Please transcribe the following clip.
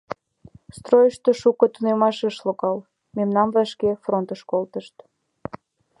Стройышто шуко тунемаш ыш логал, мемнам вашке фронтыш колтышт.